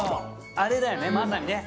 あれだよね、まさに。